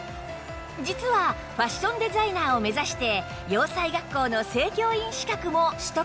実はファッションデザイナーを目指して洋裁学校の正教員資格も取得しているんです